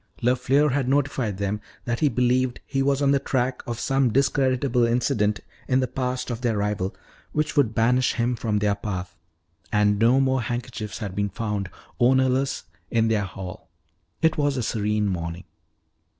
LeFleur had notified them that he believed he was on the track of some discreditable incident in the past of their rival which would banish him from their path. And no more handkerchiefs had been found, ownerless, in their hall. It was a serene morning.